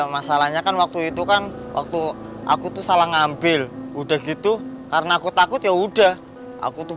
masalahnya kan waktu itu kan waktu aku tuh salah ngambil udah gitu karena aku takut ya udah aku tuh